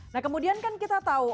nah kemudian kan kita tahu